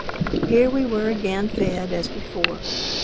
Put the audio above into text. Here we were again fed as before.